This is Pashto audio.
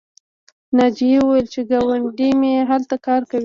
ناجیې وویل چې ګاونډۍ مې هلته کار کوي